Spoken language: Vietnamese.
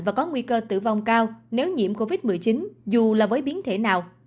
và có nguy cơ tử vong cao nếu nhiễm covid một mươi chín dù là với biến thể nào